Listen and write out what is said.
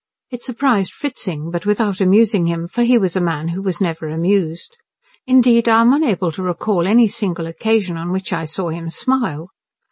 It surprised Fritzing, but without amusing him, for he was a man who was never amused. Indeed, I am unable to recall any single occasion on which I saw him smile.